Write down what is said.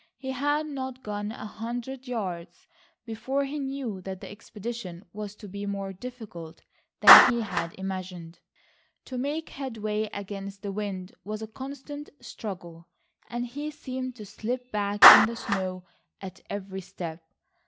He had not gone a hundred yards before he knew that the expedition was to be more difficult than he had imagined. To make headway against the wind was a constant struggle, and he seemed to slip back in the snow at every step.